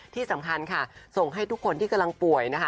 ที่สำคัญค่ะส่งให้ทุกคนที่กำลังป่วยนะคะ